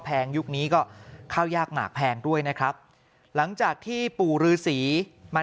แงยุคนี้ก็ข้าวยากหมากแพงด้วยนะครับหลังจากที่ปู่ฤษีมา